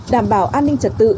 đảm bảo an ninh trật tự